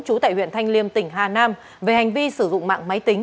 trú tại huyện thanh liêm tỉnh hà nam về hành vi sử dụng mạng máy tính